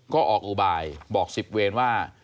ก็ออกอุบายบอก๑๐เวรว่า